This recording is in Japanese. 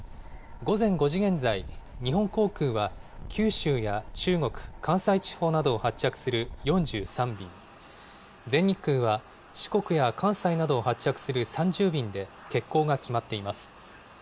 午前５時現在、日本航空は九州や中国、関西地方などを発着する４３便、全日空は四国や関西などを発着する３０便で欠航が決まっています。